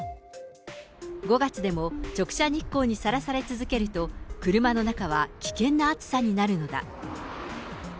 ５月でも直射日光にさらされ続けると、車の中は危険な暑さになるのだ。